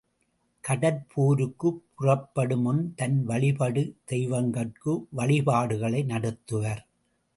கடற் போருக்குப், புறப்படுமுன் தன் வழிபடு தெய்வங்கட்கு வழிபாடுகளை நடத்துவர்.